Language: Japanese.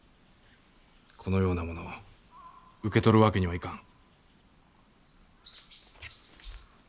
このようなものは受け取るわけにはいかん。